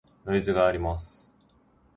ノイズがあります。